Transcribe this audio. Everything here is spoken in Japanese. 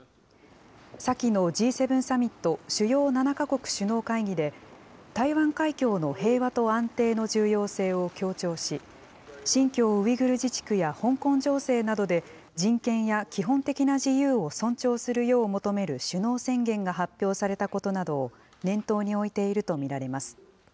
先のＧ７サミット・主要７か国首脳会議で、台湾海峡の平和と安定の重要性を強調し、新疆ウイグル自治区や香港情勢などで、人権や基本的な自由を尊重するよう求める首脳宣言が発表されたことなどを念頭に置いていると見られます。